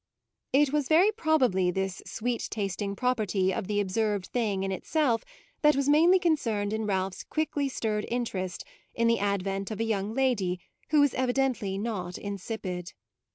It was very probably this sweet tasting property of the observed thing in itself that was mainly concerned in Ralph's quickly stirred interest in the advent of a young lady who was evidently not insipid.